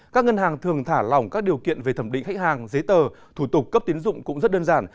các ngân hàng thường thả lỏng các điều kiện về thẩm định khách hàng giấy tờ thủ tục cấp tiến dụng cũng rất đơn giản